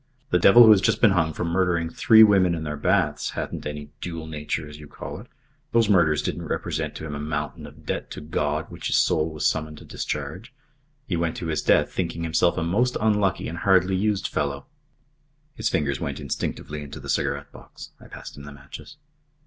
The devil who has just been hung for murdering three women in their baths hadn't any dual nature, as you call it. Those murders didn't represent to him a mountain of debt to God which his soul was summoned to discharge. He went to his death thinking himself a most unlucky and hardly used fellow." His fingers went instinctively into the cigarette box. I passed him the matches.